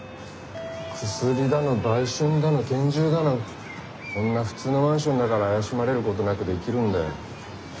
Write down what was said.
薬だの売春だの拳銃だのこんな普通のマンションだから怪しまれることなくできるんだよ。